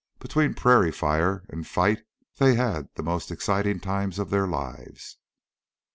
Between prairie fire and fight they had the most exciting time of their lives.